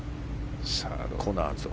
コナーズ。